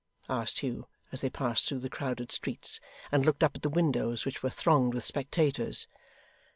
asked Hugh, as they passed through the crowded streets, and looked up at the windows which were thronged with spectators.